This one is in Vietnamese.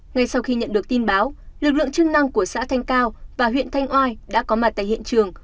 ngay sau khi nhận được tin báo lực lượng chức năng của xã thanh cao và huyện thanh oai đã có mặt tại hiện trường